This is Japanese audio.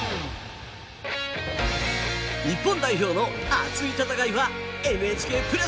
日本代表の熱い戦いはＮＨＫプラスでも。